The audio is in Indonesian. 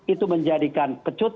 itu menjadikan pecut